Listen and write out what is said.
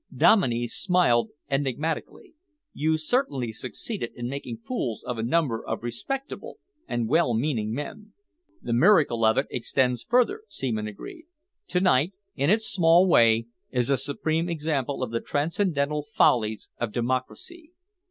Dominey smiled enigmatically. "You certainly succeeded in making fools of a number of respectable and well meaning men." "The miracle of it extends further," Seaman agreed. "To night, in its small way, is a supreme example of the transcendental follies of democracy.